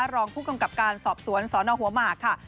รองผู้กำกับการสอบสวนสนหัวหมากค่ะ